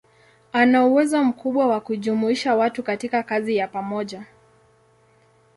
Ana uwezo mkubwa wa kujumuisha watu katika kazi ya pamoja.